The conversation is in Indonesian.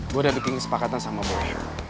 gue udah bikin kesepakatan sama bos